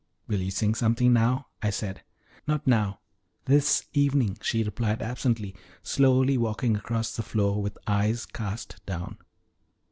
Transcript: "Will you sing something now?" I said. "Not now this evening," she replied absently, slowly walking across the floor with eyes cast down.